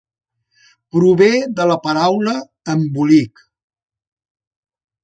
Prové de la paraula "embolic".